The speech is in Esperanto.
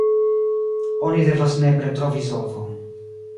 Oni devas nepre trovi solvon.